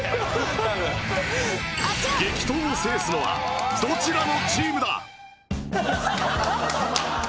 激闘を制すのはどちらのチームだ？